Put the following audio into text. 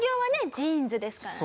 ジーンズですからね。